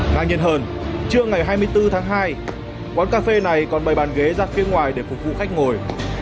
ngay nhận hờn trưa ngày hai mươi bốn tháng hai quán cà phê này còn bày bàn ghế ra phía ngoài để phục vụ khách ngồi